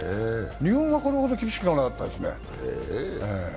日本はこれほど厳しくはなかったですね。